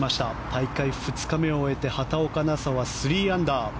大会２日目を終えて畑岡奈紗は３アンダー。